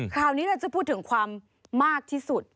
คราวนี้เราจะพูดถึงความมากที่สุด